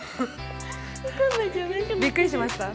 びっくりしました？